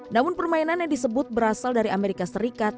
namun permainan yang disebut berasal dari amerika serikat